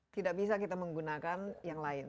tidak bisa kita menggunakan yang lain